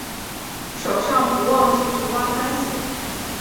手上不忘继续挖番薯